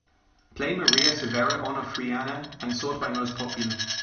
Play Maria Severa Onofriana and sort by most popular.